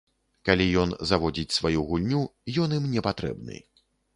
Калі ён заводзіць сваю гульню, ён ім не патрэбны.